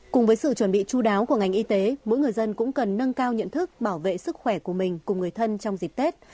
cùng với sự chuẩn bị chú đáo của ngành y tế mỗi người dân cũng cần nâng cao nhận thức bảo vệ sức khỏe của mình cùng người thân trong dịp tết